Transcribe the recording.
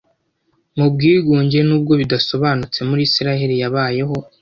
Mu bwigunge, nubwo bidasobanutse, muri Isiraheli yabayeho